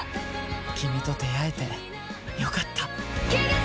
キミと出会えてよかった。